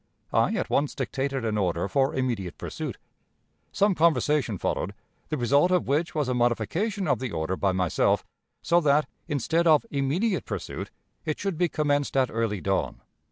I at once dictated an order for immediate pursuit. Some conversation followed, the result of which was a modification of the order by myself, so that, instead of immediate pursuit, it should be commenced at early dawn.